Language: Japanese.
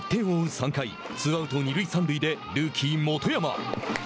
３回ツーアウト、二塁三塁でルーキー元山。